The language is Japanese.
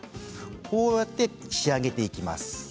こうやって仕上げていきます。